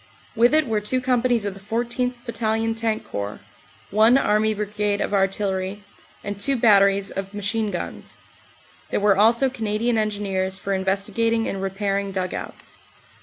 With it were two com panies of the 14th. Battalion Tank Corps, one Army Brigade of Artillery, and two batteries of machine guns. There were also Canadian Engineers for investigating and repairing dug outs.